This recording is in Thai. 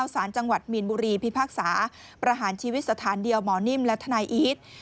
สารจังหวัดมีนบุรีพิพากษาประหารชีวิตสถานเดียวหมอนิ่มและทนายอีท